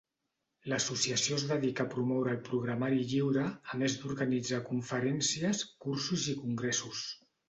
L'associació es dedica a promoure el programari lliure, a més d'organitzar conferències, cursos i congressos.